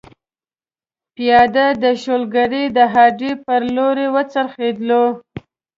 پیاده د شولګرې د هډې پر لور وخوځېدو.